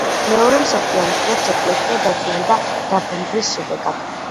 მეორე მსოფლიო ომის დროს ეკლესია დაზიანდა დაბომბვის შედეგად.